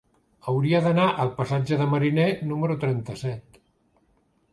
Hauria d'anar al passatge de Mariné número trenta-set.